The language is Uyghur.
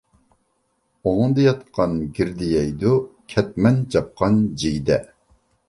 ئوڭدا ياتقان گىردە يەيدۇ، كەتمەن چاپقان جىگدە.